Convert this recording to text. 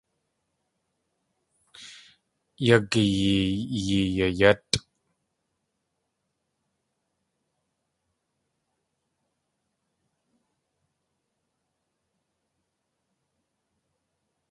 Yakyee yeeyayátʼ.